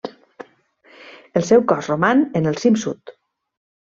El seu cos roman en el cim sud.